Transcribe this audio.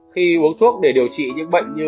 khi uống thuốc để điều trị những bệnh như